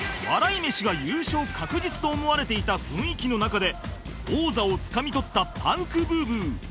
笑い飯が優勝確実と思われていた雰囲気の中で王座をつかみ取ったパンクブーブー